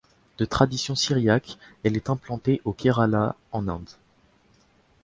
De tradition syriaque, elle est implantée au Kerala en Inde.